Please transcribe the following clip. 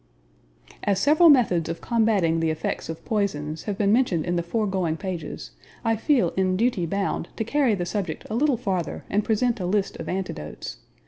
As several methods of combating the effects of poisons have been mentioned in the foregoing pages, I feel in duty bound to carry the subject a little farther and present a list of antidotes.